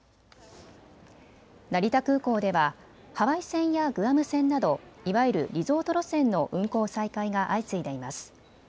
成田空港ではハワイ線やグアム線など、いわゆるリゾート路線の運航再開が相次いでいます。